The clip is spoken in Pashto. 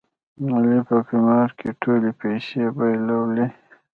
علي په قمار کې ټولې پیسې بایلولې.